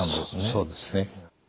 そうですね。